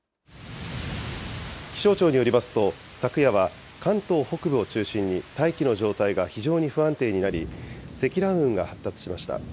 気象庁によりますと、昨夜は関東北部を中心に大気の状態が非常に不安定になり、積乱雲が発達しました。